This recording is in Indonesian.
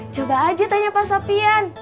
coba aja tanya pak sapian